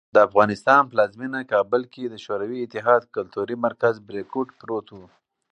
د افغانستان پلازمېنه کابل کې د شوروي اتحاد کلتوري مرکز "بریکوټ" پروت و.